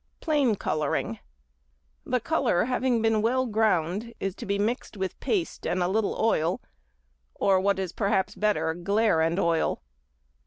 Plain Colouring.—The colour having been well ground is to be mixed with paste and a little oil, or what is perhaps better, glaire and oil.